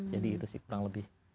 jadi itu sih kurang lebih